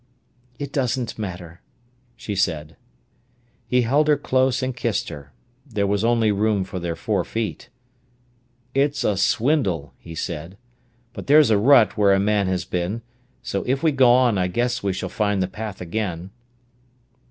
"It doesn't matter," she said. He held her close and kissed her. There was only room for their four feet. "It's a swindle!" he said. "But there's a rut where a man has been, so if we go on I guess we shall find the path again."